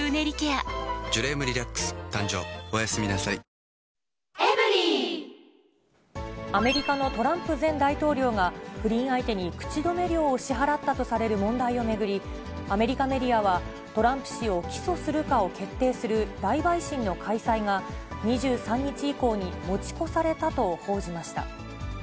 活動しにくくなったわスミマセンこの惑星で宇宙人ヒラテに叱られるのは嬉しいアメリカのトランプ前大統領が、不倫相手に口止め料を支払ったとされる問題を巡り、アメリカメディアは、トランプ氏を起訴するかを決定する大陪審の開催が、２３日以降に持ち越されたと報じました。